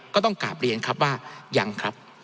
ก็ต้องกลับเรียนครับว่ายังครับ